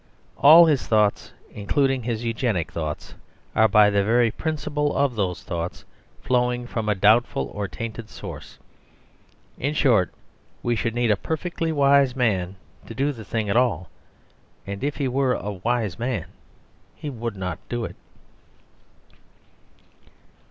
All his thoughts, including his Eugenic thoughts, are, by the very principle of those thoughts, flowing from a doubtful or tainted source. In short, we should need a perfectly Wise Man to do the thing at all. And if he were a Wise Man he would not do it.